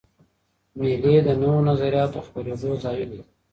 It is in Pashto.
مېلې د نوو نظریاتو د خپرېدو ځایونه دي.